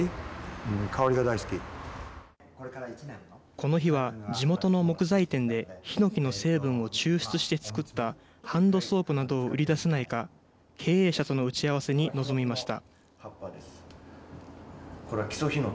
この日は、地元の木材店でひのきの成分を抽出して作ったハンドソープなどを売り出せないか、経営者との打ち合わせに臨みました。